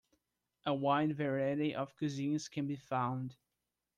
A wide variety of cuisines can be found.